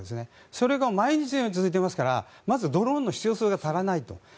それが毎日のように続いていますからまずドローンの必要数が足らないと。